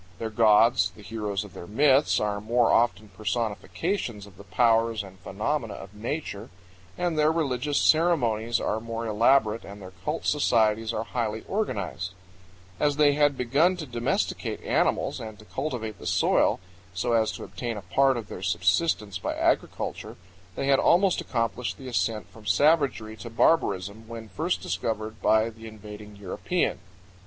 Their gods, the heroes of their myths, are more often personifications of the powers and phenomena of nature, and their religious ceremonies are more elaborate, and their cult societies are highly organized. As they had begun to domesticate animals and to cultivate the soil, so as to obtain a part of their subsistence by agriculture, they had almost accomplished the ascent from savagery 112 powell canyons 71.jpg WALPI DANCE ROCK. CLIFFS AND TERRACES. 113 to barbarism when first discovered by the invading European.